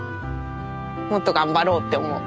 もっと頑張ろうって思う。